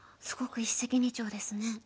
すごく一石二鳥ですね。